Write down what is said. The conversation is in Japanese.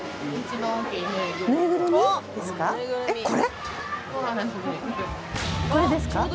これですか？